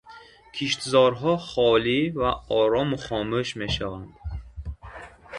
Киштзорҳо холӣ ва орому хомӯш мешаванд.